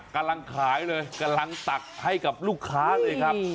กำลังขายเลยกำลังตักให้กับลูกค้าเลยครับ